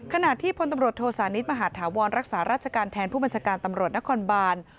ขณะที่พลตำรวจโทสานิทมหาธาวรรักษาราชการแทนผู้บัญชาการตำรวจนครบาน